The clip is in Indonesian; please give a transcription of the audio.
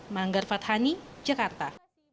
manggar fathani jakarta